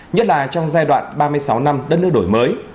nhất là trong giai đoạn ba mươi sáu năm đất nước đổi mới